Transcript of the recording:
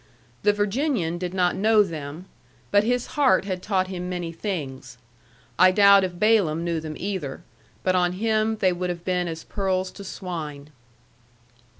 The Virginian did not know them, but his heart had taught him many things. I doubt if Balaam knew them either. But on him they would have been as pearls to swine.